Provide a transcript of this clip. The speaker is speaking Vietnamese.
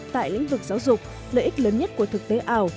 tại lĩnh vực giáo dục lợi ích lớn nhất của thực tế ảo